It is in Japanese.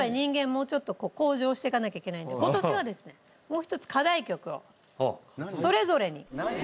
もうちょっと向上していかなきゃいけないので今年はですねそれぞれ？